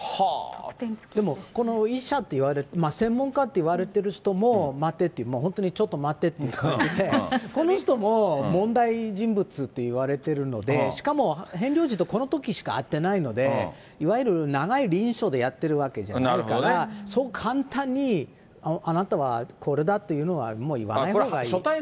この専門家って言われてる人も、マテって、本当にちょっと待てって感じで、この人も、問題人物って言われてるので、しかも、ヘンリー王子とこのときしか会ってないので、いわゆる長い臨床でやってるわけじゃないから、そう簡単に、あなたはこれだっていうのは、もう言わないほうがいい。